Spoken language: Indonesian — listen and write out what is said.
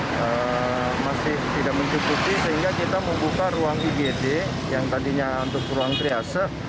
masih tidak mencukupi sehingga kita membuka ruang igd yang tadinya untuk ruang triase